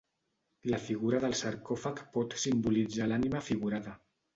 La figura del sarcòfag pot simbolitzar l'ànima figurada.